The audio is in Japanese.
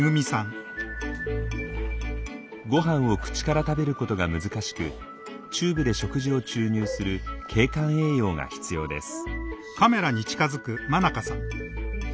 ごはんを口から食べることが難しくチューブで食事を注入する経管栄養が必要です。